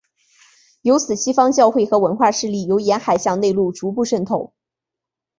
由此西方教会和文化势力由沿海向内陆逐步渗透。